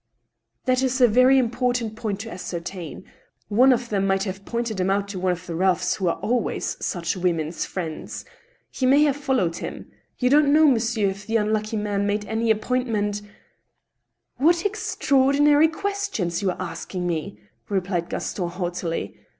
"That is a very important point to ascertain. One of them might have pointed him out to one of the roughs who are always such women's friends. He may have followed him. You don't know, monsieur, if the unlucky man made any appointment—? "" What extraordinary questions you are asking me !" replied Gas ton, haughtily.